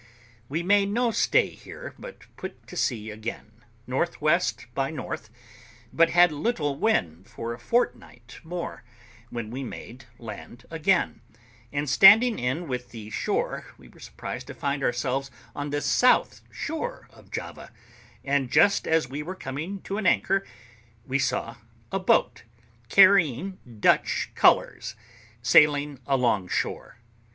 We made no stay here, but put to sea again, N.W. by N., but had little wind for a fortnight more, when we made land again; and standing in with the shore, we were surprised to find ourselves on the south shore of Java; and just as we were coming to an anchor we saw a boat, carrying Dutch colours, sailing along shore.